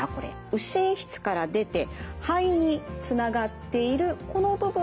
右心室から出て肺につながっているこの部分が肺動脈です。